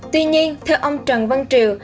tuy nhiên theo ông trần văn triều